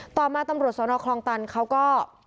ต่อมาตำรวจสนคลองตันเขาก็